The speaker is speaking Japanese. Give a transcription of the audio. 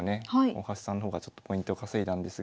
大橋さんの方がちょっとポイントを稼いだんですが。